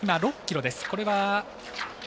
６ｋｍです。